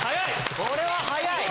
これは早い！